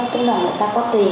tức là người ta có tiền